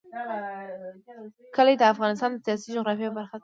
کلي د افغانستان د سیاسي جغرافیه برخه ده.